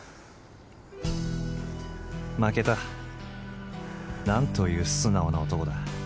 負けたなんという素直な男だ。